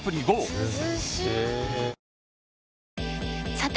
さて！